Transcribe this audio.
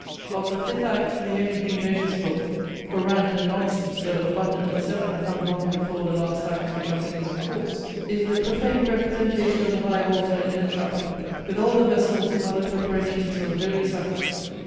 Of the fifth act, the only thing noticeable, (for rant and nonsense, though abundant as ever, have long before the last act become things of course,) is the profane representation of the high altar in a chapel, with all the vessels and other preparations for the holy sacrament.